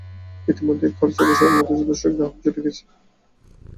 ইতোমধ্যেই খরচা পোষাবার মত যথেষ্ট গ্রাহক জুটে গিয়েছে।